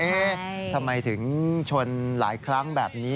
ทำไมถึงชนหลายครั้งแบบนี้